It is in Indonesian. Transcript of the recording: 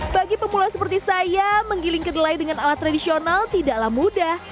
bagi pemula seperti saya menggiling kedelai dengan alat tradisional tidaklah mudah